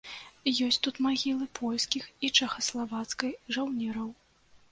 Ёсць тут магілы польскіх і чэхаславацкай жаўнераў.